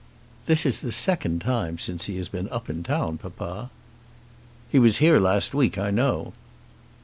"This is the second time since he has been up in town, papa." "He was here last week, I know."